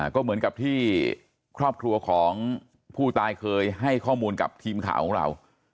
ก็เหมือนกับที่ครอบครัวของผู้ตายเคยให้ข้อมูลกับทีมข่าวของเรา